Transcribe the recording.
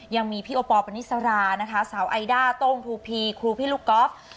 ยังมีพี่โอปอลปณิสรานะคะสาวไอด้าโต้งทูพีครูพี่ลูกก๊อฟ